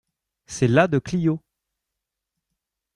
C'est la de Clio.